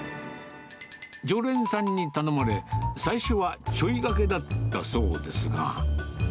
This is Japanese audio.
常連さんに頼まれ、最初はちょいがけだったそうですが。